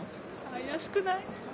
怪しくない？